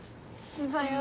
おはよう。